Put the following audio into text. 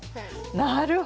なるほど！